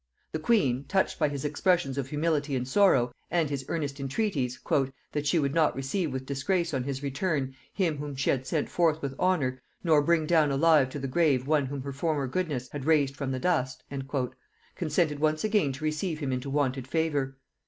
The queen, touched by his expressions of humility and sorrow, and his earnest entreaties "that she would not receive with disgrace on his return, him whom she had sent forth with honor, nor bring down alive to the grave one whom her former goodness had raised from the dust," consented once again to receive him into wonted favor.